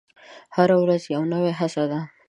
هره ورځ یوه نوې هڅه ده.